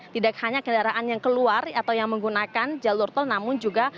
tidak hanya kendaraan yang keluar atau yang menggunakan jalur tol namun juga